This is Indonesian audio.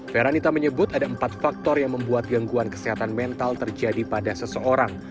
feranita menyebut ada empat faktor yang membuat gangguan kesehatan mental terjadi pada seseorang